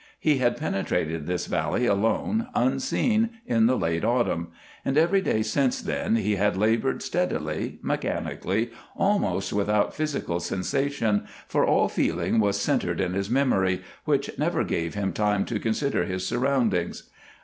He had penetrated this valley alone, unseen, in the late autumn, and every day since then he had labored steadily, mechanically, almost without physical sensation, for all feeling was centered in his memory, which never gave him time to consider his surroundings.